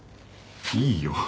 いいよ。